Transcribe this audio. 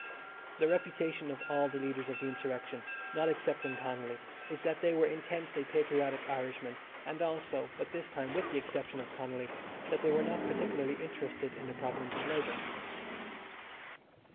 The reputation of all the leaders of the insurrection, not excepting Connolly, is that they were intensely patriotic Irishmen, and also, but this time with the exception of Connolly, that they were not particularly interested in the problems of labour.